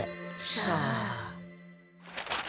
さあ。